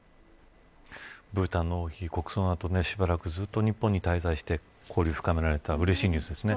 ブータンの王女、国葬の後しばらくずっと日本に滞在して交流を深められたうれしいニュースですね。